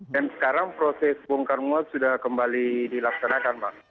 dan sekarang proses bongkar muat sudah kembali dilaksanakan pak